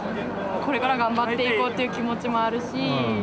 これから頑張っていこうっていう気持ちもあるし。